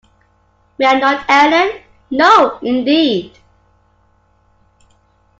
May I not, Ellen? No, indeed!